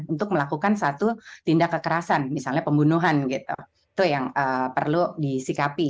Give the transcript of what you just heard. untuk melakukan satu tindak kekerasan misalnya pembunuhan gitu itu yang perlu disikapi